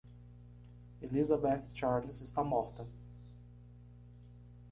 Elizabeth Charles está morta.